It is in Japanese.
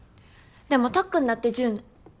でもたっくんだって１０ね。